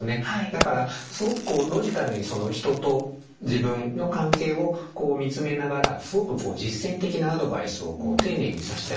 だからすごくこうロジカルに人と自分の関係を見つめながらすごくこう実践的なアドバイスを丁寧に差し出してくれる。